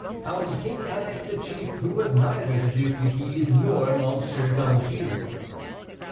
HOW THE KING ANNEXED A CHIEF WHO WAS NEITHER THE DUC DE GUISE NOR M. D'ANJOU.